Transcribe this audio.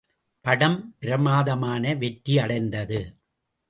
படம் பிரமாதமான வெற்றியடைந்தது.